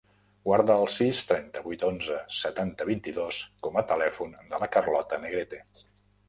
Guarda el sis, trenta-vuit, onze, setanta, vint-i-dos com a telèfon de la Carlota Negrete.